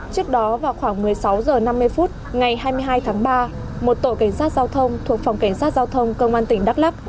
trước đó vào khoảng một mươi sáu h năm mươi phút ngày hai mươi hai tháng ba một tổ cảnh sát giao thông thuộc phòng cảnh sát giao thông công an tỉnh đắk lắc